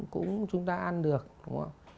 cũng chúng ta ăn được đúng không ạ